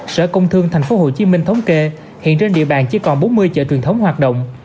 sở công thương tp hcm thống kê hiện trên địa bàn chỉ còn bốn mươi chợ truyền thống hoạt động